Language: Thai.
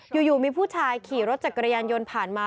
อยู่มีผู้ชายขี่รถจักรยานยนต์ผ่านมา